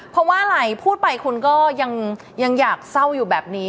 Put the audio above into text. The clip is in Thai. เพราะว่าอะไรพูดไปคุณก็ยังอยากเศร้าอยู่แบบนี้